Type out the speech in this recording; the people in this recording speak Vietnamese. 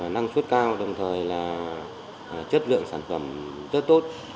năng suất cao đồng thời là chất lượng sản phẩm rất tốt